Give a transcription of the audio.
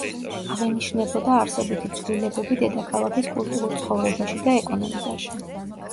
აღინიშნებოდა არსებითი ცვლილებები დედაქალაქის კულტურულ ცხოვრებაში და ეკონომიკაში.